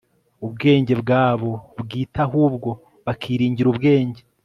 ubwenge bwabo bwite ahubwo bakiringira ubwenge